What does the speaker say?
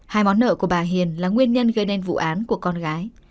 hai món nợ của bà hiền là nguyên nhân gây nên vụ án của con gái